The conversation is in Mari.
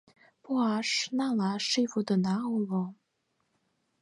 Пуаш-налаш шийвундына уло.